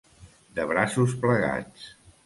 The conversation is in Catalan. De braços plegats.